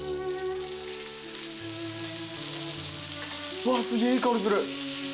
うわっすげえいい香りする。